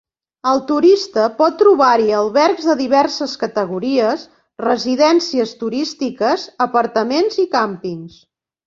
El turista pot trobar-hi albergs de diverses categories, residències turístiques, apartaments i càmpings.